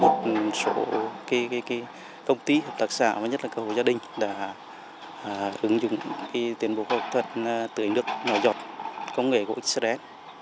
một số công ty hợp tác xã và nhất là cơ hội gia đình đã ứng dụng tiến bộ học thuật tưới nước nhỏ dọt công nghệ của x rex